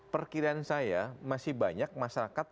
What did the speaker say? perkiraan saya masih banyak masyarakat